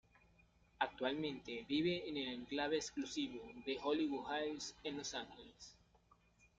Actualmente vive en el enclave exclusivo de Hollywood Hills en Los Ángeles.